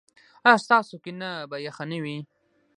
ایا ستاسو کینه به یخه نه وي؟